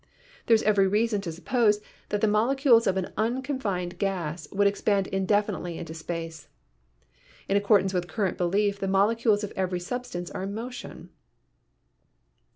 There is every reason to suppose that the molecules of an unconfined gas would THE PROPERTIES OF MATTER 47 expand indefinitely into space. In accordance with current belief the molecules of every substance are in motion.